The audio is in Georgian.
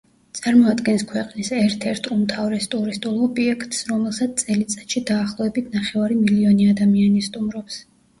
წარმოადგენს ქვეყნის ერთ-ერთ უმთავრეს ტურისტულ ობიექტს, რომელსაც წელიწადში დაახლოებით ნახევარი მილიონი ადამიანი სტუმრობს.